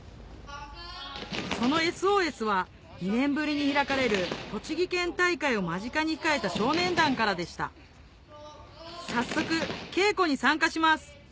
そのＳＯＳは２年ぶりに開かれる栃木県大会を間近に控えた少年団からでした早速稽古に参加します